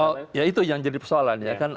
oh ya itu yang jadi persoalan ya kan